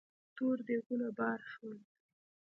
تور دېګونه بار شول.